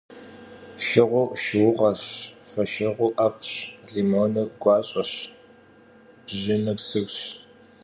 Şşığur şşıuğeş, foşşığur 'ef'ş, limonır guaş'eş, bjınır sırş.